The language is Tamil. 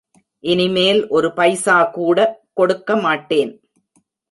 இனிமேல் ஒரு பைசாகூடக் கொடுக்கமாட்டேன்.